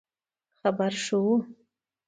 خبر ښه وو